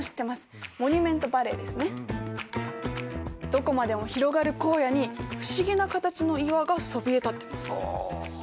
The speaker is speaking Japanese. どこまでも広がる荒野に不思議な形の岩がそびえ立ってます。